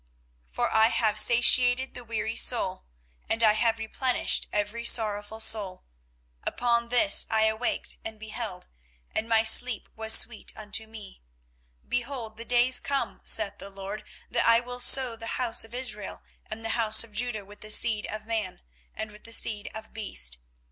24:031:025 For I have satiated the weary soul, and I have replenished every sorrowful soul. 24:031:026 Upon this I awaked, and beheld; and my sleep was sweet unto me. 24:031:027 Behold, the days come, saith the LORD, that I will sow the house of Israel and the house of Judah with the seed of man, and with the seed of beast.